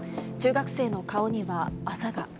中学生の顔にはあざが。